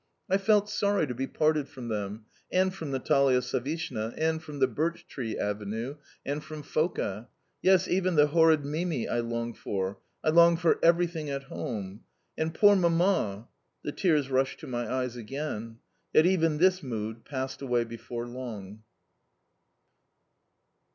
I felt sorry to be parted from them, and from Natalia Savishna, and from the birch tree avenue, and from Foka. Yes, even the horrid Mimi I longed for. I longed for everything at home. And poor Mamma! The tears rushed to my eyes again. Yet even this mood passed away before long.